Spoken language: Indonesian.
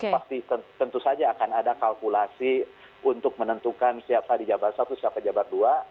pasti tentu saja akan ada kalkulasi untuk menentukan siapa di jabar satu siapa jabat dua